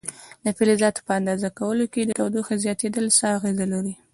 د فلزاتو په اندازه کولو کې د تودوخې زیاتېدل څه اغېزه لري؟